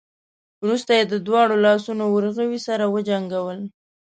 وروسته يې د دواړو لاسونو ورغوي سره وجنګول.